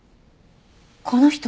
この人！